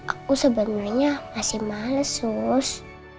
aku sebenarnya masih males